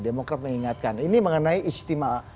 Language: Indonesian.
demokrat mengingatkan ini mengenai istimewa